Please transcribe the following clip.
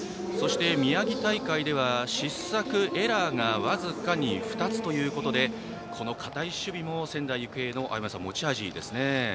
宮城大会では失策、エラーが僅かに２つということでこの堅い守備も、仙台育英の持ち味ですね。